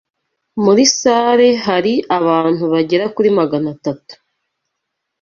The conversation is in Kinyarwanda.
Muri salle hari abantu bagera kuri magana atatu.